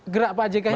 gerak pak jk ini